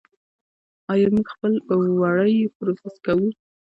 آیا موږ خپل وړۍ پروسس کوو؟